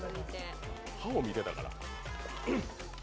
歯を見てたから。